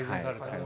はい。